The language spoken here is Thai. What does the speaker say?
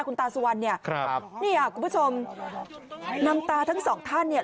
คุณตาสุวรรณเนี่ยครับเนี่ยคุณผู้ชมนำตาทั้งสองท่านเนี่ย